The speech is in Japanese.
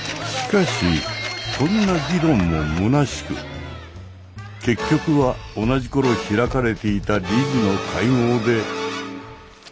しかしこんな議論もむなしく結局は同じ頃開かれていた理事の会合で。